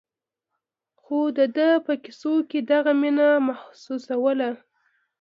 خو د ده په کيسو مې دغه مينه محسوسوله.